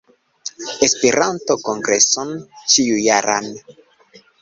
Esperanto-kongreson ĉiujaran